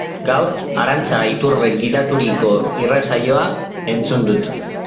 Gaur Arantxa Iturbek gidaturiko irratsaioa entzun dut.